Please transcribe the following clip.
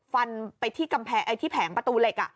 ฟันไปที่แผงประตูเหล็ก